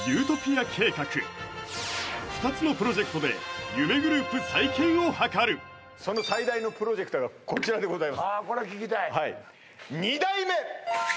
２つのプロジェクトで夢グループ再建を図るその最大のプロジェクトがこちらでございますはあこれは聞きたい